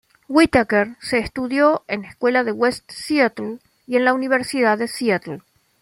Whittaker se estudió en "Escuela de West Seattle" y en la Universidad de Seattle.